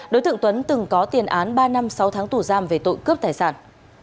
đối tượng tuấn từng có tiền án ba năm sáu tháng tù giam về tội cướp tài sản